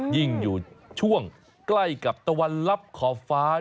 ยิ่งอยู่ช่วงใกล้กับตะวันลับขอบฟ้า